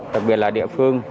đặc biệt là địa phương